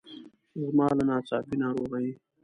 زما له ناڅاپي ناروغۍ.